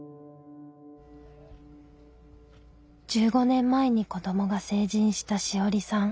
１５年前に子どもが成人した志織さん。